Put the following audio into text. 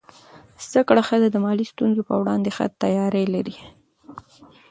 زده کړه ښځه د مالي ستونزو پر وړاندې ښه تیاری لري.